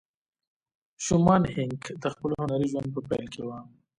شومان هينک د خپل هنري ژوند په پيل کې وه.